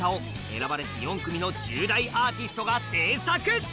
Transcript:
選ばれし４組の１０代アーティストが制作！